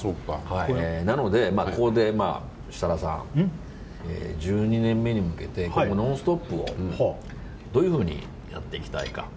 なので、ここで設楽さん１２年目に向けて「ノンストップ！」をどういうふうにやっていきたいか。